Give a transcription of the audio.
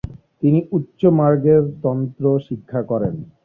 তিনি উচ্চমার্গের তন্ত্র শিক্ষা করেন।